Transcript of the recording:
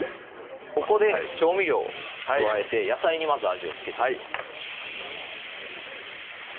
ここで調味料を加えて野菜にまず味をつけていきます